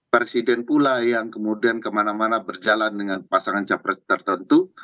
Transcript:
presiden pula yang kemudian kemana mana berjalan dengan pasangan capres tertentu